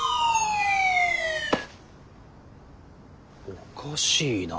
おかしいな。